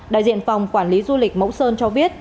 đại diện phòng quản lý du lịch mẫu sơn cho biết